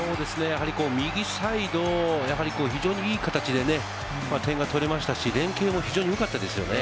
右サイド、非常にいい形で点が取れましたし、連係も非常に良かったですよね。